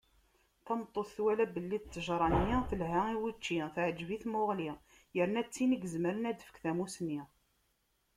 Tameṭṭut twala belli ṭṭejṛa-nni telha i wučči, teɛǧeb i tmuɣli, yerna d tin izemren ad d-tefk tamusni.